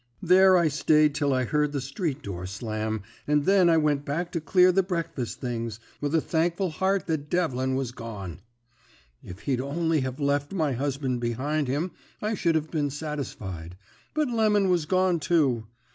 There I stayed till I heard the street door slam, and then I went back to clear the breakfast things, with a thankful heart that Devlin was gone. If he'd only have left my husband behind him I should have been satisfied, but Lemon was gone too.